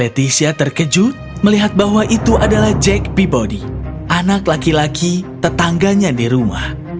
netizha terkejut melihat bahwa itu adalah jack peabody anak laki laki tetangganya di rumah